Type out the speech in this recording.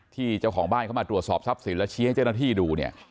เจ้าของบ้านเข้ามาตรวจสอบทรัพย์สินแล้วชี้ให้เจ้าหน้าที่ดูเนี่ย